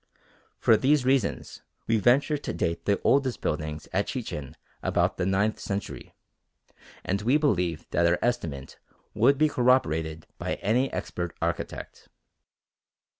For these reasons we venture to date the oldest buildings at Chichen about the ninth century, and we believe that our estimate would be corroborated by any expert architect.